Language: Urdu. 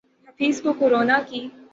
حفیظ کو کرونا کی